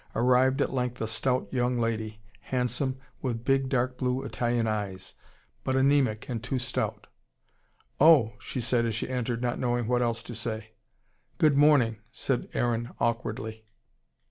Arrived at length a stout young lady handsome, with big dark blue Italian eyes but anaemic and too stout. "Oh!" she said as she entered, not knowing what else to say. "Good morning," said Aaron awkwardly.